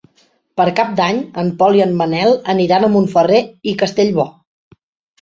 Per Cap d'Any en Pol i en Manel aniran a Montferrer i Castellbò.